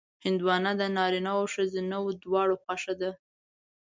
هندوانه د نارینهوو او ښځینهوو دواړو خوښه ده.